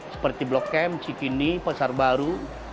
seperti blok m cikini pasar baru